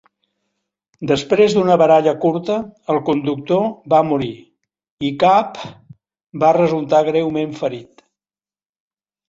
Després d'una baralla curta, el conductor va morir i Kapp va resultar greument ferit.